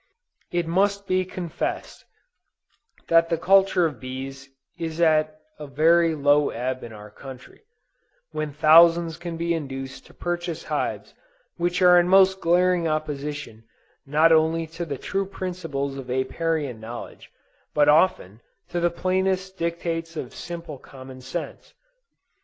It must be confessed that the culture of bees is at a very low ebb in our country, when thousands can be induced to purchase hives which are in most glaring opposition not only to the true principles of Apiarian knowledge, but often, to the plainest dictates of simple common sense.